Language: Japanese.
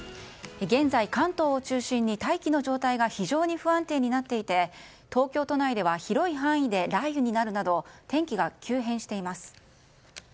現在、関東を中心に大気の状態が不安定になっていて東京都内では広い範囲で雷雨になるなど天気が急変しています。